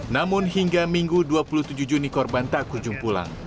namun hingga minggu dua puluh tujuh juni korban tak kunjung pulang